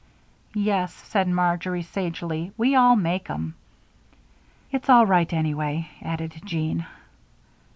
"Yes," said Marjory, sagely, "we all make 'em." "It's all right, anyway," added Jean.